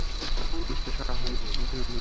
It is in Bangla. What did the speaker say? মিস্টার সাহায়, অভিনন্দন।